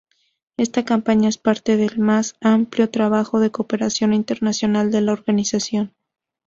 Esta campaña es parte del más amplio trabajo de cooperación internacional de la organización.